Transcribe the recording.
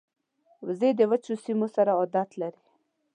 وزې د وچو سیمو سره عادت لري